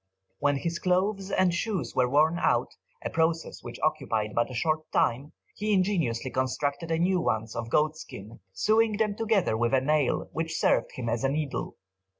When his clothes and shoes were worn out, a process which occupied but a short time, he ingeniously constructed new ones of goatskin, sewing them together with a nail, which served him as a needle.